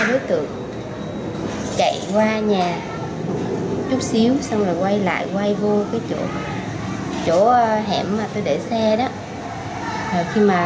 đối tượng chạy qua nhà chút xíu xong rồi quay lại quay vô chỗ hẻm mà tôi để xe đó